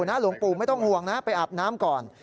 หลวงปู่ไม่ต้องห่วงนะไปอาบน้ำก่อน